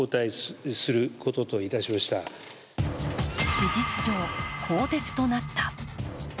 事実上、更迭となった。